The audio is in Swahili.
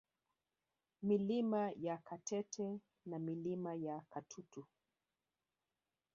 Milima ya Katete na Milima ya Katutu